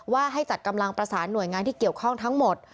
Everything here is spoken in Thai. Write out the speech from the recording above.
ให้จัดกำลังประสานหน่วยงานที่เกี่ยวข้องทั้งหมด